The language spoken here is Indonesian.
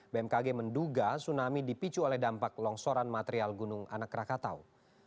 bmkg menduga tsunami dipicu oleh dampak longsoran material gunung anak rakatau